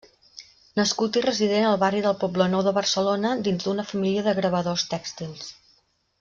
Nascut i resident al barri del Poblenou de Barcelona dins d'una família de gravadors tèxtils.